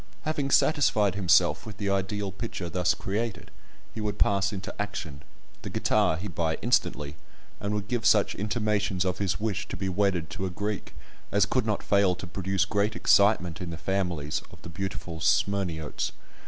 Having satisfied himself with the ideal picture thus created, he would pass into action; the guitar he would buy instantly, and would give such intimations of his wish to be wedded to a Greek, as could not fail to produce great excitement in the families, of the beautiful Smyrniotes.